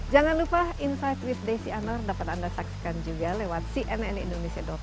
jangan lupa insight with desi anwar dapat anda saksikan juga lewat cnn indonesia com